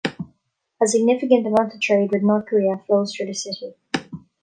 A significant amount of trade with North Korea flows through the city.